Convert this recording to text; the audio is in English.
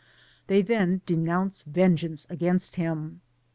They then denounce vengeance against him.